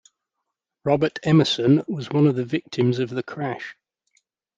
Robert Emerson was one of the victims of the crash.